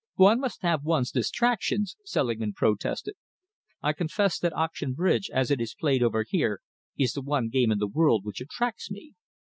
"One must have one's distractions," Selingman protested. "I confess that auction bridge, as it is played over here, is the one game in the world which attracts me."